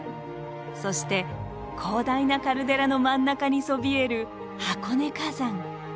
そして広大なカルデラの真ん中にそびえる箱根火山。